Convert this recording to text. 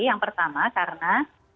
yang pertama karena